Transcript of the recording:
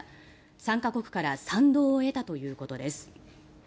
参加国から賛同を得たということです。